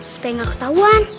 supaya gak ketahuan